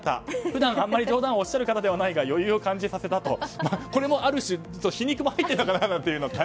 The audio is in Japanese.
普段あまり冗談をおっしゃる方ではないが余裕を感じさせたとこれもある種皮肉も入っていたのかなと。